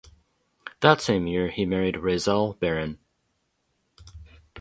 That same year he married Rayzele Barron.